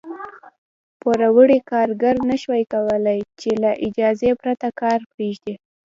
پوروړي کارګر نه شوای کولای چې له اجازې پرته کار پرېږدي.